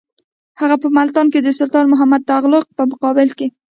هغه په ملتان کې د سلطان محمد تغلق په مقابل کې.